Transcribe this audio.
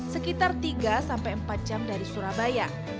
sekitar tiga sampai empat jam dari surabaya